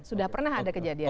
sudah pernah ada kejadian